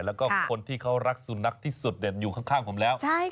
แล้วก็คนที่เขารักสุนัขที่สุดอยู่ข้างผมแล้ว